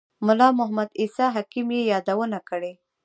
ملا محمد عیسی حکیم یې یادونه کړې.